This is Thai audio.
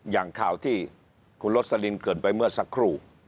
อย่างข่าวที่คุณโรสลินเกิดไปเมื่อสักครู่